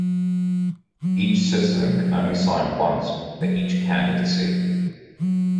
Each citizen can only sign once for each candidacy.